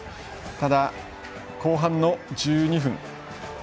ただ、後半の１２分。